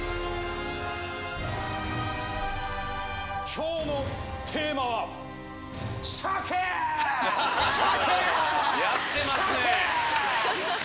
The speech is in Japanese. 今日のテーマは鮭！鮭！